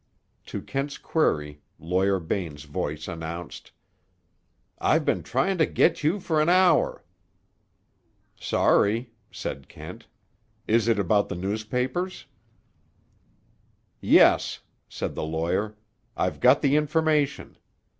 To Kent's query, Lawyer Bain's voice announced: "I've been trying to get you for an hour." "Sorry," said Kent. "Is it about the newspapers?" "Yes," said the lawyer. "I've got the information."